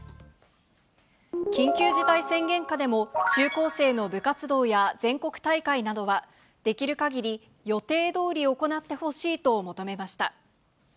緊急事態宣言下でも中高生の部活動や全国大会などは、できるかぎり予定どおり行ってほしいと求めました。